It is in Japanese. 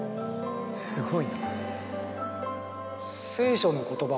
すごいな。